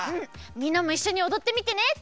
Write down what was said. みんなもいっしょにおどってみてね！